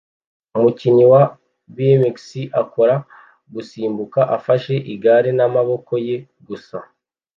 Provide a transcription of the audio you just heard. Umukinnyi wa bmx akora gusimbuka afashe igare n'amaboko ye gusa